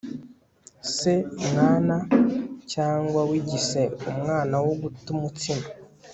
se mwana cyagwa wigise umwana wo guta umutsima